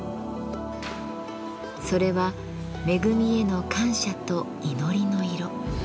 それは恵みへの感謝と祈りの色。